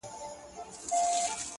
زخمي ـ زخمي سترګي که زما وویني؛